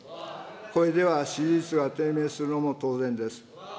これでは支持率が低迷するのも当然です。